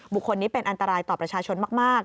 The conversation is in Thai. บุคคลนี้เป็นอันตรายต่อประชาชนมาก